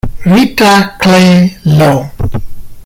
Rita Clay Loam.